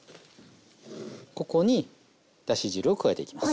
ここにだし汁を加えていきます。